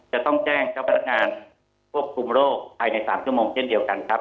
จะต้องแจ้งเจ้าพนักงานควบคุมโรคภายใน๓ชั่วโมงเช่นเดียวกันครับ